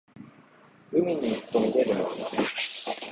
海に行くとみれるのは波